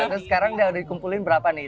terus sekarang sudah dikumpulkan berapa nih